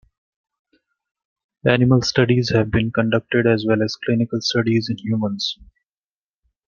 Animal studies have been conducted as well as clinical studies in humans.